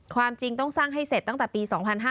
ความจริงต้องสร้างให้เสร็จตั้งแต่ปี๒๕๕๙